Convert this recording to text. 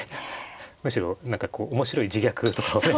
むしろ何かこう面白い自虐とかをね